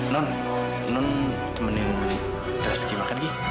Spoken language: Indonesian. nun nun temenin rizky makan gi